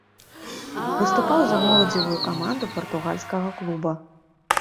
Выступаў за моладзевую каманду партугальскага клуба.